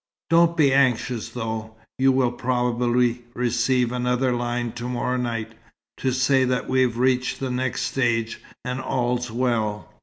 Don't be anxious, though. You will probably receive another line to morrow night, to say that we've reached the next stage, and all's well."